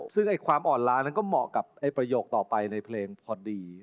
ซึ่งความอ่อนล้านั้นก็เหมาะกับประโยคต่อไปในเพลงพอดี